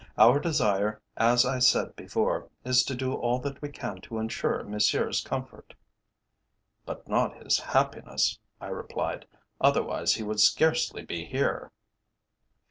Our desire, as I said before, is to do all that we can to ensure Monsieur's comfort." "But not his happiness," I replied; "otherwise he would scarcely be here."